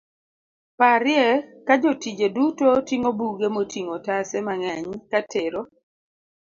parye ka jotije duto ting'o buge moting'o otase mang'eny katero